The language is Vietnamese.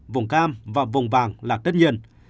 vùng cam và vùng vàng là tất nhiên